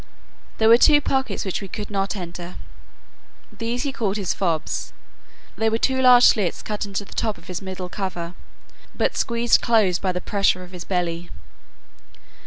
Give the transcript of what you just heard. There were two pockets which we could not enter: these he called his fobs; they were two large slits cut into the top of his middle cover, but squeezed close by the pressure of his belly.